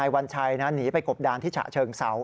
วัญชัยหนีไปกบดานที่ฉะเชิงเซา